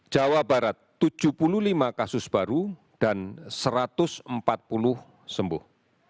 jawa barat tujuh puluh lima kasus baru dan satu ratus empat puluh sembuh